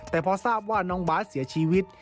แต่พอทราบว่าน้องบาสเสียชีวิต